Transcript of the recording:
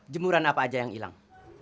jemuran apa aja yang hilang